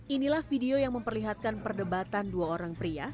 inilah video yang memperlihatkan perdebatan dua orang pria